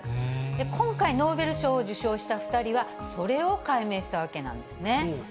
今回、ノーベル賞を受賞した２人は、それを解明したわけなんですね。